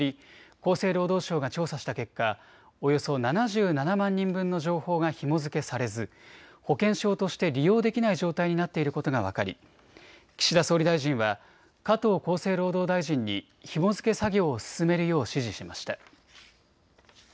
厚生労働省が調査した結果、およそ７７万人分の情報がひも付けされず保険証として利用できない状態になっていることが分かり岸田総理大臣は加藤厚生労働大臣にひも付け作業を進めるよう指示しました。